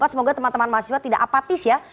semoga teman teman mahasiswa tidak apatis ya